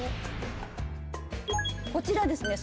こちらですね